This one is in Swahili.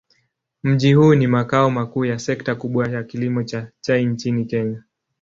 Mji huu ni makao makuu ya sekta kubwa ya kilimo cha chai nchini Kenya.